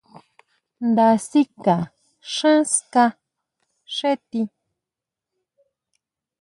Nda sika xán ska xé tii.